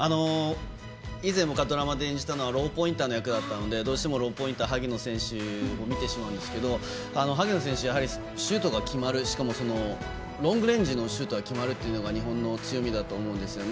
以前、僕がドラマで演じたのはローポインターの役だったのでどうしてもローポインター萩野選手を見てしまうんですけど萩野選手、シュートが決まるロングレンジのシュートが決まるというのが日本の強みだと思うんですよね。